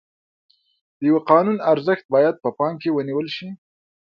د یوه قانون ارزښت باید په پام کې ونیول شي.